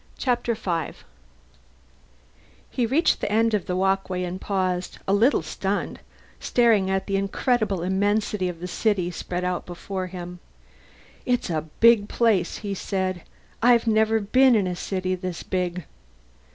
Chapter Five He reached the end of the walkway and paused, a little stunned, staring at the incredible immensity of the city spread out before him. "It's a big place," he said. "I've never been in a city this big."